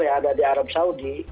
yang ada di arab saudi